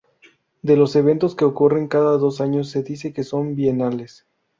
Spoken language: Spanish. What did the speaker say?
De los eventos que ocurren cada dos años se dice que son bienales.